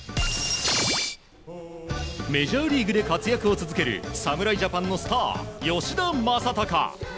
メジャーリーグで活躍を続ける侍ジャパンのスター吉田正尚。